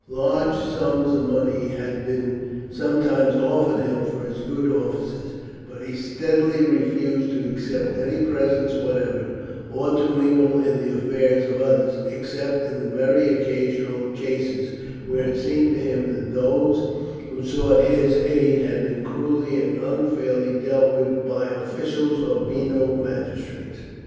Large sums of money had been sometimes offered him for his good offices, but he steadily refused to accept any presents whatever, or to mingle in the affairs of others, except in very occasional cases, where it seemed to him that those who sought his aid had been cruelly and unfairly dealt with by officials or venal magistrates.